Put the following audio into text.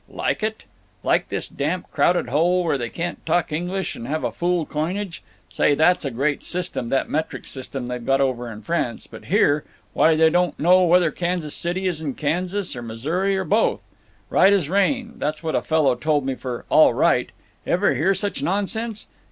"Like it? Like this damp crowded hole, where they can't talk English, and have a fool coinage—Say, that's a great system, that metric system they've got over in France, but here—why, they don't know whether Kansas City is in Kansas or Missouri or both…. 'Right as rain'—that's what a fellow said to me for 'all right'! Ever hear such nonsense?